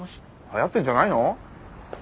はやってんじゃないの？